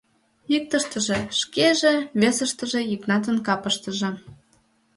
Иктыштыже — шкеже, весыштыже — Йыгнатын капыштыже.